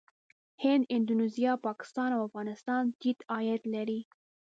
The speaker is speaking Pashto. هند، اندونیزیا، پاکستان او افغانستان ټيټ عاید لري.